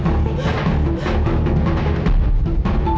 coba kamu cerita sama aku